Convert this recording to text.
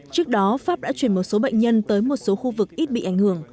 trước đó pháp đã chuyển một số bệnh nhân tới một số khu vực ít bị ảnh hưởng